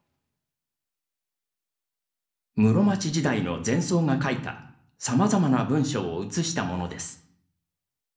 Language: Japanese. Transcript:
室町時代の禅僧が書いたさまざまな文章を写したものです。